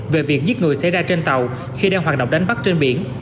về việc giết người xảy ra trên tàu khi đang hoạt động đánh bắt trên biển